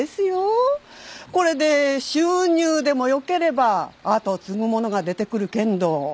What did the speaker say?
これで収入でもよければ後を継ぐ者が出てくるけんど。